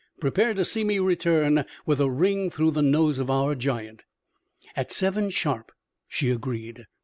Prepare to see me return with a ring through the nose of our giant." "At seven, sharp!" she agreed.